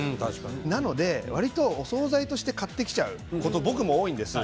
なので、わりとお総菜として買ってきちゃうこと僕も多いです。